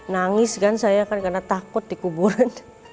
nangis kan saya karena takut dikuburkan